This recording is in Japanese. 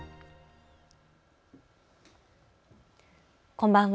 こんばんは。